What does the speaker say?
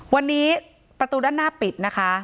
วันนี้ประตูด้านหน้าปิดนะคะ